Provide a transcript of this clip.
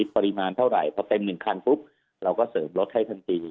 ปริมาณเท่าไหร่พอเต็ม๑คันปุ๊บเราก็เสริมรถให้ทันที